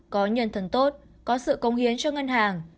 có nhân thân tốt có sự công hiến cho ngân hàng